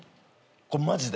これマジで。